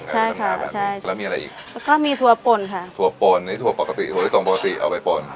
ใช่ค่ะแบบนี้แล้วมีอะไรอีกแล้วก็มีถั่วปนค่ะถั่วปนอันนี้ถั่วปกติถั่วลิปส่งปกติเอาไปปน